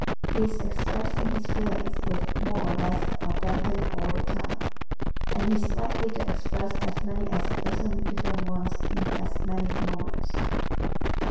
He is expressing his feelings with more or less abandon all the time and he is likely to express as many as a dozen different ones in as many moments.